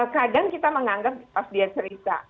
kadang kita menganggap pas dia cerita